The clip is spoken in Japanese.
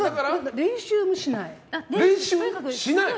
練習はしない。